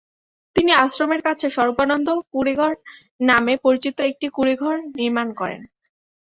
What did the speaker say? তিনি আশ্রমের কাছে স্বরূপানন্দ কুঁড়েঘর নামে পরিচিত একটি কুঁড়েঘর নির্মাণ করেন।